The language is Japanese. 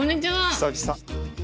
久々。